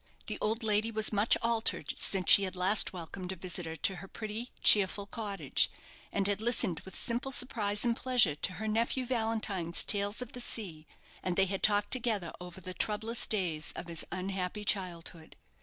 The old lady was much altered since she had last welcomed a visitor to her pretty, cheerful cottage, and had listened with simple surprise and pleasure to her nephew Valentine's tales of the sea, and they had talked together over the troublous days of his unhappy childhood.